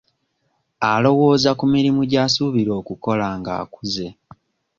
Alowooza ku mirimu gy'asuubira okukola nga akuzze.